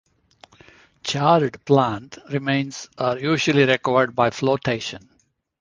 Charred plant remains are usually recovered by flotation.